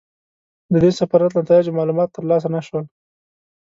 د دې سفارت له نتایجو معلومات ترلاسه نه شول.